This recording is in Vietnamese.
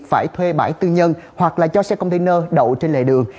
phải thuê bãi tư nhân hoặc là cho xe container đậu trên lề đường